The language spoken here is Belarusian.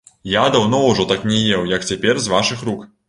Я даўно ўжо так не еў, як цяпер з вашых рук.